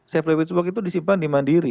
safety deposit box itu disimpan dimandiri